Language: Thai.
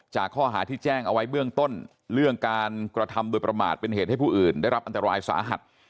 จากข้อหาที่แจ้งเอาไว้เบื้องต้นเรื่องการกระทำโดยประมาทเป็นเหตุให้ผู้อื่นได้รับอันตรายสาหัส